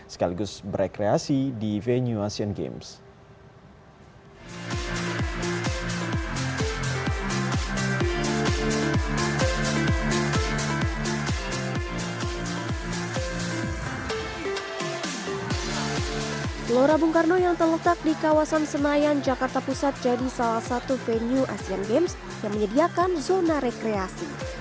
sekaligus berekreasi di venue asian games